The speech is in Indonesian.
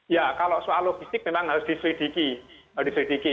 ya kalau soal logistik memang harus diselidiki